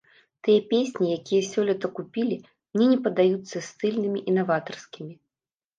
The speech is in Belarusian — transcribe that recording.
Тыя песні, якія сёлета купілі, мне не падаюцца стыльнымі і наватарскімі.